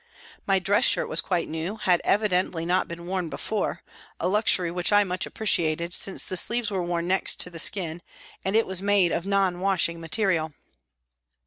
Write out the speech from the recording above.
My dress shirt was quite new, had evidently not been worn before, a luxury which I much appreciated, since the sleeves were worn next to the skin and it was made of non washing material.